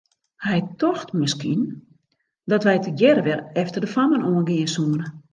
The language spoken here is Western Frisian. Hy tocht miskien dat wy tegearre wer efter de fammen oan gean soene.